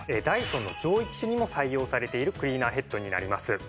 ダイソンの上位機種にも採用されているクリーナーヘッドになります。